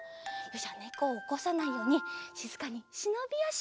じゃねこをおこさないようにしずかにしのびあし。